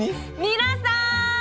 皆さん！